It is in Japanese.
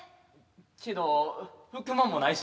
けど拭くもんもないし。